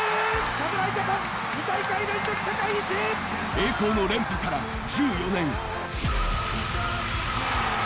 栄光の連覇から１４年。